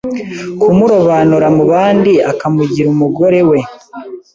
kumurobanura mu bandi akamugira umugore we